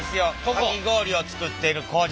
かき氷を作っている工場。